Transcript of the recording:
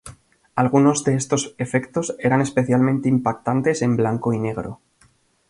Algunos de estos efectos eran especialmente impactantes en blanco y negro.